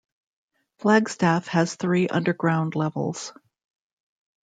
Flagstaff has three underground levels.